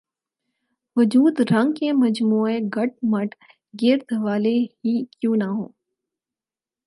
وجود رنگ کے مجموعہ گڈ مڈ کر د والے ہی کیوں نہ ہوں